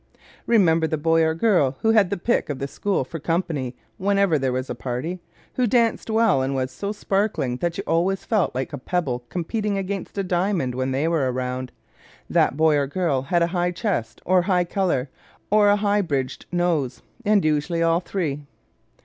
Remember the boy or girl who had the pick of the school for company whenever there was a party, who danced well and was so sparkling that you always felt like a pebble competing against a diamond when they were around? That boy or girl had a high chest, or high color, or a high bridged nose and usually all three.